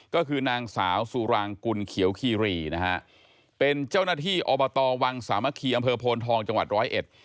ก็คือนางสาวสุรางกุลเขียวคีรีนะฮะเป็นเจ้าหน้าที่อบตวังสามะคีอำเภอโพนทองจังหวัดร้อยเอ็ด